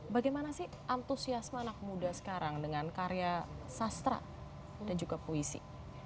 bagaimana sih antusiasme anak muda sekarang dengan karya sastra dan juga puisi